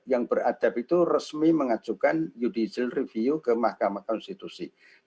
yang beradab itu resmi mengajukan judicial review ke mahkamah konstitusi